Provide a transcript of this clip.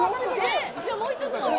じゃあもう１つの方？